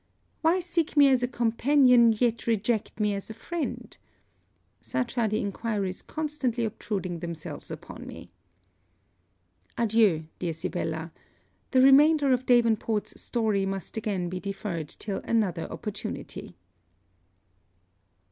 Why seek me as a companion, yet reject me as a friend? Such are the enquiries constantly obtruding themselves upon me. Adieu, dear Sibella. The remainder of Davenport's story must again be deferred till another opportunity.